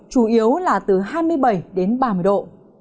chủ yếu là từ hai mươi bảy đến ba mươi độ